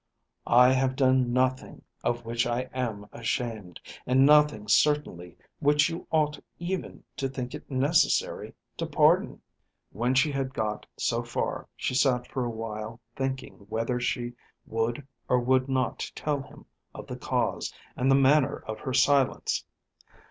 I have done nothing of which I am ashamed, and nothing certainly which you ought even to think it necessary to pardon. When she had got so far she sat for a while thinking whether she would or would not tell him of the cause and the manner of her silence.